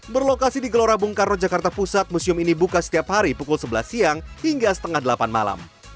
berlokasi di gelora bung karno jakarta pusat museum ini buka setiap hari pukul sebelas siang hingga setengah delapan malam